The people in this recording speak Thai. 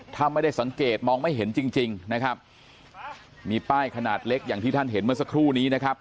ถ้าไม่ได้สังเกตมองไม่เห็นจริงจริงนะครับมีป้ายขนาดเล็กอย่างที่ท่านเห็นเมื่อสักครู่นี้นะครับ